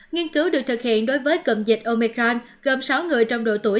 nghiên cứu được thực hiện đối với cộng dịch omicron gồm sáu người trong độ tuổi